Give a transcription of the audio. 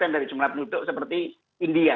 dari jumlah penduduk seperti india